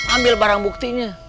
ambil barang buktinya